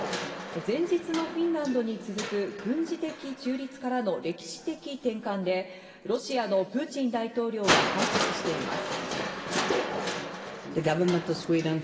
前日のフィンランドに続く軍事的中立からの歴史的転換で、ロシアのプーチン大統領は反発しています。